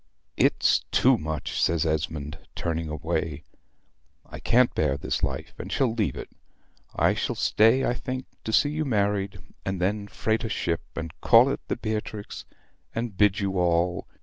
"It's too much," says Esmond, turning away. "I can't bear this life, and shall leave it. I shall stay, I think, to see you married, and then freight a ship, and call it the 'Beatrix,' and bid you all